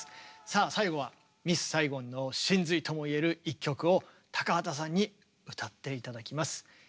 さあ最後は「ミス・サイゴン」の神髄とも言える一曲を高畑さんに歌って頂きます。